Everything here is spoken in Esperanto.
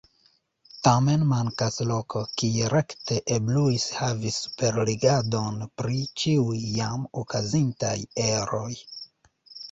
Tamen mankas loko, kie rekte eblus havi superrigardon pri ĉiuj jam okazintaj eroj.